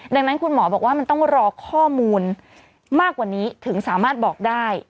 ดังนั้นคุณหมอบอกว่ามันต้องรอข้อมูลมากกว่านี้ถึงสามารถบอกได้